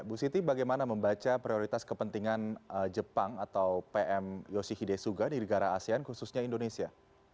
bu siti bagaimana membaca prioritas kepentingan jepang atau pm yoshihide suga di negara asean khususnya indonesia